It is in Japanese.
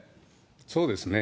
そうですね。